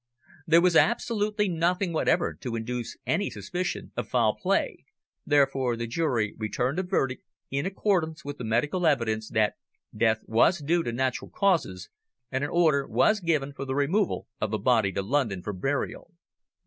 There was absolutely nothing whatever to induce any suspicion of foul play, therefore the jury returned a verdict in accordance with the medical evidence that death was due to natural causes, and an order was given for the removal of the body to London for burial.